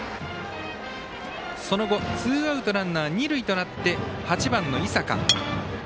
その後、ツーアウトランナー、二塁となって８番の井坂。